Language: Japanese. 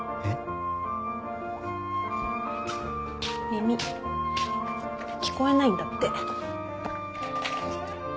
耳聞こえないんだって。